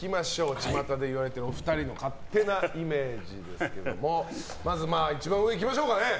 ちまたで言われているお二人の勝手なイメージですけれどもまず、一番上いきましょう。